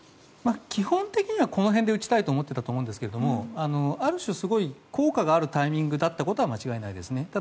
基本的にはこの辺で撃ちたいと思っていたと思いますがある種、すごい効果があるタイミングだったことは間違いないですね。